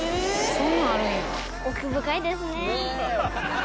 そんなんあるんや！